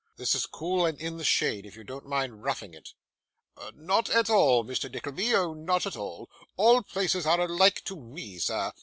This is cool and in the shade, if you don't mind roughing it.' 'Not at all, Mr. Nickleby, oh not at all! All places are alike to me, sir.